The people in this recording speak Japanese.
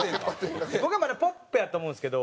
僕はまだポップやと思うんですけど。